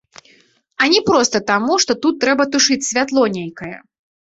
А не проста таму, што тут трэба тушыць святло нейкае!